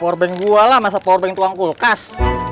powerbank gua lah masa powerbank tuang kulkas